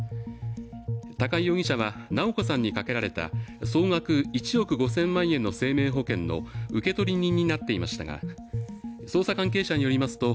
高井容疑者は直子さんにかけられた総額１億５０００万円の生命保険の受取人になっていましたが、捜査関係者によりますと